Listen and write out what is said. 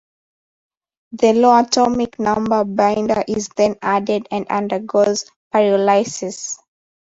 The low-atomic number binder is then added and undergoes pyrolysis.